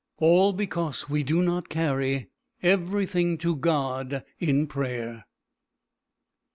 All because we do not carry Everything to God in prayer."